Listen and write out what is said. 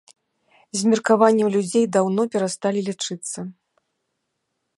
З меркаваннем людзей даўно перасталі лічыцца.